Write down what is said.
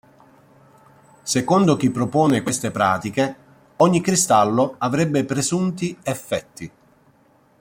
Secondo chi propone queste pratiche, ogni cristallo avrebbe presunti "effetti".